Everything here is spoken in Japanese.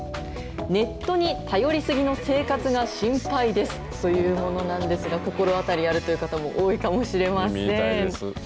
ネットに頼りすぎの生活が心配ですというものなんですが、心当たりあるという方も多いかもしれません。